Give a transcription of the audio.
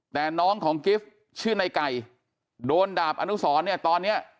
แต่น้องของกิฟต์ชื่อในไก่โดนดาบอนุสรเนี่ยตอนเนี้ย